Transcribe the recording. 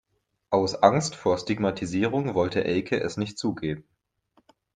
Aus Angst vor Stigmatisierung wollte Elke es nicht zugeben.